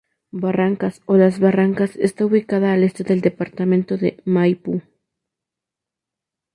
Barrancas o Las Barrancas está ubicada al este del Departamento de Maipú.